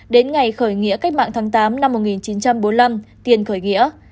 đến ngày khởi nghĩa cách mạng tháng tám năm một nghìn chín trăm bốn mươi năm tiền khởi nghĩa